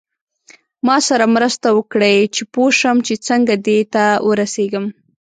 ما سره مرسته وکړئ چې پوه شم چې څنګه دې ته ورسیږم.